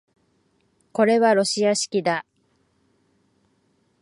これはロシア式だ